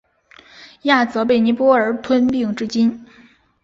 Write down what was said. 亚泽被尼泊尔吞并至今。